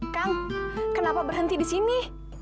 kang kenapa berhenti di sini